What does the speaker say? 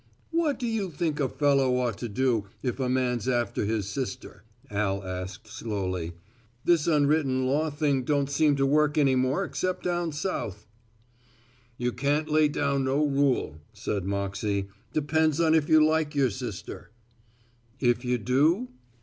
"What do you think a fellow ought to do if a man's after his sister?" Al asked slowly. "This unwritten law thing don't seem to work any more except down South." "You can't lay down no rule," said Moxey. "Depends on if you like your sister." "If you do?"